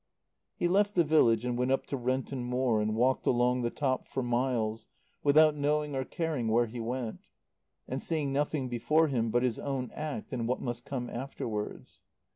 He left the village and went up to Renton Moor and walked along the top for miles, without knowing or caring where he went, and seeing nothing before him but his own act and what must come afterwards.